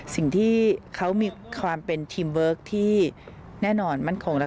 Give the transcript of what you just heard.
สิ่งที่เขามีความเป็นทีมเวิร์คที่แน่นอนมั่นคงและ